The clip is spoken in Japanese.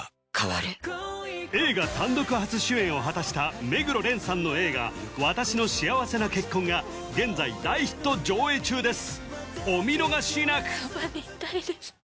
映画単独初主演を果たした目黒蓮さんの映画「わたしの幸せな結婚」が現在大ヒット上映中です